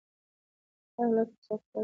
په هر حالت کې سخت کار وکړئ